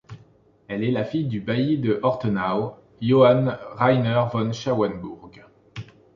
Elle est la fille du bailli de Ortenau, Johann Rainer von Schauenburg.